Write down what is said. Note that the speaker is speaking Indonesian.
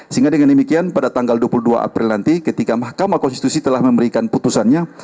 sehingga dengan demikian pada tanggal dua puluh dua april nanti ketika mahkamah konstitusi telah memberikan putusannya